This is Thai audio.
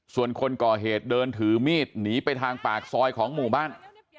ส่วนคนก่อเหตุเดินถือมีดหนีไปทางปากซอยของหมู่บ้าน